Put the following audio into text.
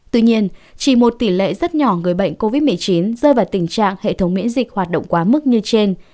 tuy nhiên chỉ một tỷ lệ rất nhỏ người bệnh covid một mươi chín rơi vào tình trạng hệ thống miễn dịch hoạt động quá mức như trên